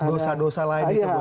dosa dosa lain dikeluh ya